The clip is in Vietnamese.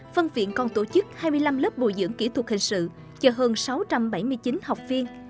phân viện còn tổ chức hai mươi năm lớp bồi dưỡng kỹ thuật hình sự cho hơn sáu trăm bảy mươi chín học viên